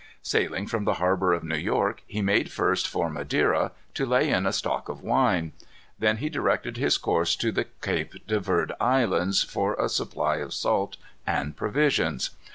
Sailing from the harbor of New York, he made first for Madeira, to lay in a stock of wine. Then he directed his course to the Cape de Verd Islands, for a supply of salt and provisions.